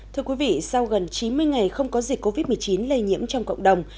thưa quý vị sau gần chín mươi ngày không có dịch covid một mươi chín lây nhiễm trong cộng đồng